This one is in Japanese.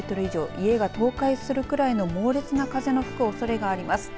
家が倒壊するくらいの猛烈な風の吹くおそれがあります。